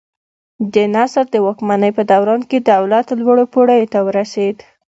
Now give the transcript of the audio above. د نصر د واکمنۍ په دوران کې دولت لوړو پوړیو ته ورسېد.